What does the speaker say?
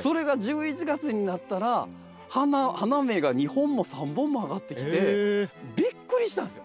それが１１月になったら花芽が２本も３本もあがってきてびっくりしたんですよ。